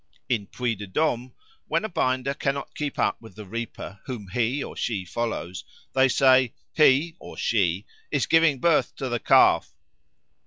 In Puy de Dôme when a binder cannot keep up with the reaper whom he or she follows, they say "He (or she) is giving birth to the Calf."